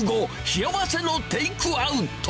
幸せのテイクアウト。